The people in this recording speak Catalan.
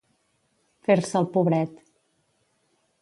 Fer-se el pobret.